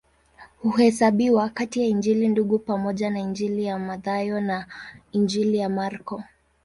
Huhesabiwa kati ya Injili Ndugu pamoja na Injili ya Mathayo na Injili ya Marko.